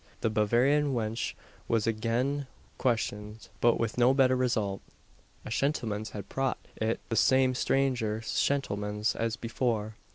The Bavarian wench was again questioned; but with no better result. A "shentlemans" had "prot" it the same "stranger shentlemans" as before.